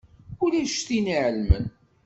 Ulac tin i iɛelmen.